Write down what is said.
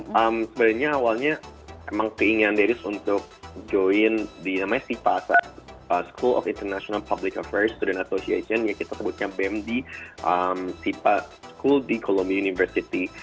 sebenarnya awalnya emang keinginan darius untuk join di namanya sipa school of international public affairs student association yang kita sebutnya bem di sipa school di columbia university